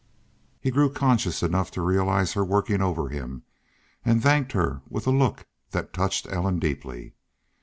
He grew conscious enough to recognize her working over him, and thanked her with a look that touched Ellen deeply.